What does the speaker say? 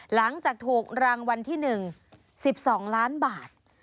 หลังจากถูกรางวัลที่๑๑๒ล้านบาท